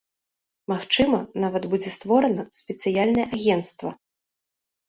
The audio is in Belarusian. Магчыма, нават будзе створана спецыяльнае агенцтва.